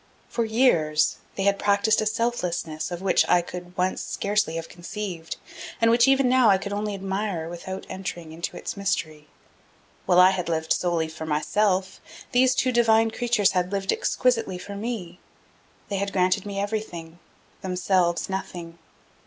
For years they had practiced a selflessness of which I could once scarcely have conceived, and which even now I could only admire without entering into its mystery. While I had lived solely for myself, these two divine creatures had lived exquisitely for me. They had granted me everything, themselves nothing.